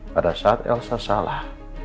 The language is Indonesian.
pada saat elsa salah